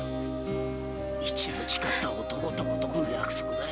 一度誓った男と男の約束だい。